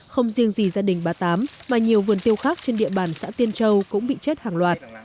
không riêng gì gia đình bà tám mà nhiều vườn tiêu khác trên địa bàn xã tiên châu cũng bị chết hàng loạt